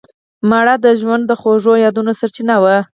مړه د ژوند د خوږو یادونو سرچینه وه